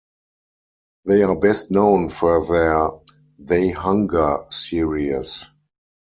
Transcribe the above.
They are best known for their "They Hunger" series.